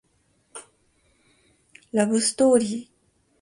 ラブストーリー